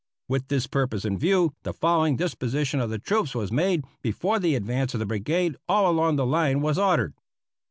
... With this purpose in view, the following disposition of the troops was made before the advance of the brigade all along the line was ordered."